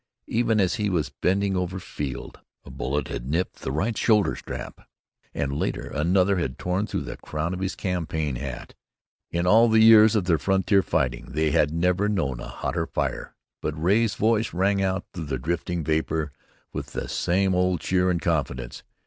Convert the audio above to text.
Even as he was bending over Field a bullet had nipped the right shoulderstrap, and later another had torn through the crown of his campaign hat. In all the years of their frontier fighting they had never known a hotter fire; but Ray's voice rang out through the drifting vapor with the same old cheer and confidence.